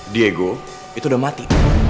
diego itu udah mati